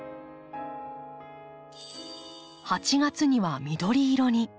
８月には緑色に。